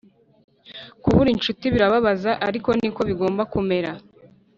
kubura inshuti birababaza ariko niko bigomba kumera